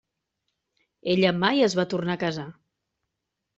Ella mai es va tornar a casar.